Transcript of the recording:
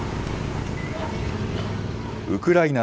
ウクライナ